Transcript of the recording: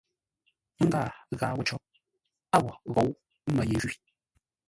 Məngaa ghâa wə̂ cǒ, a wo ńgóu mə́ ye ńjwí!